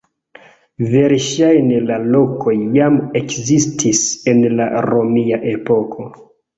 Verŝajne la lokoj jam ekzistis en la romia epoko.